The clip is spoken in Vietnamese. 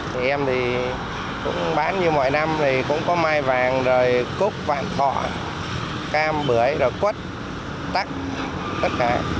thì em thì cũng bán như mọi năm thì cũng có mai vàng rồi cốt vàng thỏ cam bưởi rồi quất tắt tất cả